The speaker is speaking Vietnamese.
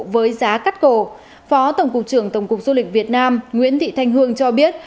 với giá cắt cổ phó tổng cục trưởng tổng cục du lịch việt nam nguyễn thị thanh hương cho biết